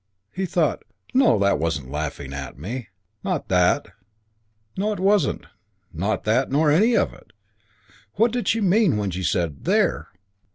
He thought, "No, that wasn't laughing at me. Not that. No, it wasn't. Not that nor any of it. What did she mean when she said 'There!'